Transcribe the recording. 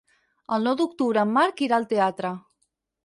El nou d'octubre en Marc irà al teatre.